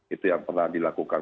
itu yang pernah dilakukan